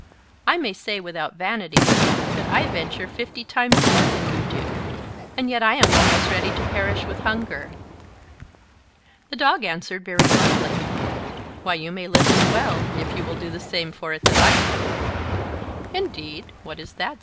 I may say, without vanity, that I venture fifty times more than you do; and yet I am almost ready to perish with hunger." The Dog answered very bluntly, "Why, you may live as well, if you will do the same for it that I do." "Indeed? what is that?"